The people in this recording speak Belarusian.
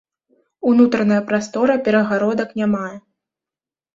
Унутраная прастора перагародак не мае.